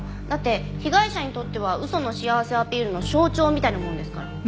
だって被害者にとっては嘘の幸せアピールの象徴みたいなものですから。